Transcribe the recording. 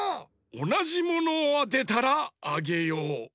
おなじものをあてたらあげよう。